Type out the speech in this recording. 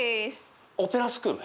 オペラスクール？